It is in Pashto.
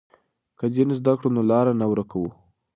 که دین زده کړو نو لار نه ورکوو.